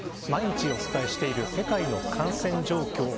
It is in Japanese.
毎日お伝えしている世界の感染状況。